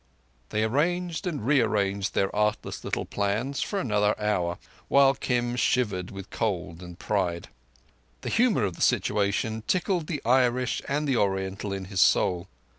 They arranged and re arranged their artless little plans for another hour, while Kim shivered with cold and pride. The humour of the situation tickled the Irish and the Oriental in his soul.